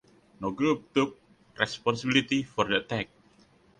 No group took responsibility for the attack.